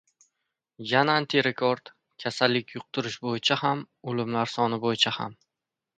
Yana antirekord: kasallik yuqtirish bo‘yicha ham, o‘limlar soni bo‘yicha ham